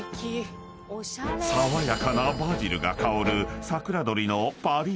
［爽やかなバジルが香る］